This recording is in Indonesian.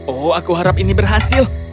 oh aku harap ini berhasil